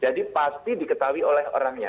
jadi pasti diketahui oleh orangnya